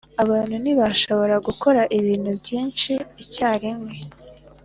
abantu ntibashobora gukora ibintu byinshi icyarimwe.